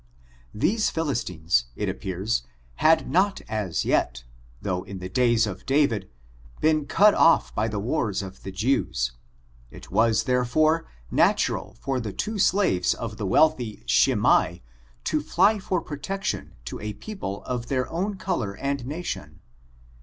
These Philistines, it appears, had not as yet, though in the days of Da« vid, been cut off by the wars of the Jews. It was, therefore, naiural for the two slaves of the wealthy Shimei to fly for protection to a people of their own color and nation.